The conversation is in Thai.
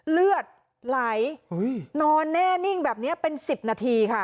เลือดไหลนอนแน่นิ่งแบบนี้เป็น๑๐นาทีค่ะ